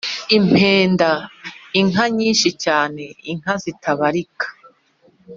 impenda: inka nyinshi cyane, inka zitabarika